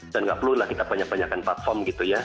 dan nggak perlulah kita banyak banyakan platform gitu ya